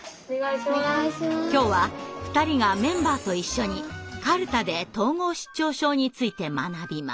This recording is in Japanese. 今日は２人がメンバーと一緒にかるたで統合失調症について学びます。